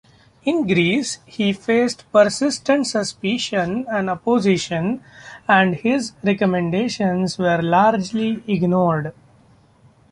In Greece, he faced persistent suspicion and opposition and his recommendations were largely ignored.